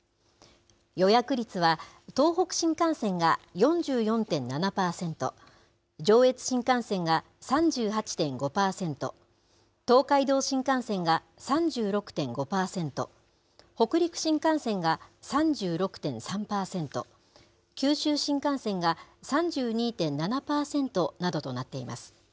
予約率は、東北新幹線が４４．７％、上越新幹線が３８．５％、東海道新幹線が３６．５％、北陸新幹線が３６．３％、九州新幹線が３２．７％などとなっています。